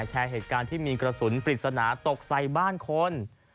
แชร์เหตุการณ์ที่มีกระสุนปริศนาตกใส่บ้านคน